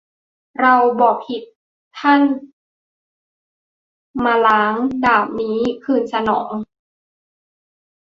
เราบ่ผิดท่านมล้าง ดาบนี้ คืนสนอง